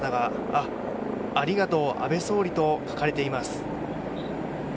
「ありがとう安倍総理」と書かれています。